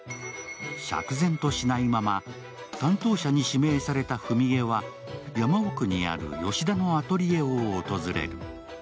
釈然としないまま、担当者に指名された史絵は山奥にあるヨシダのアトリエを訪れる。